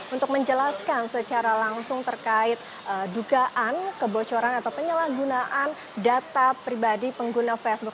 untuk menjelaskan secara langsung terkait dugaan kebocoran atau penyalahgunaan data pribadi pengguna facebook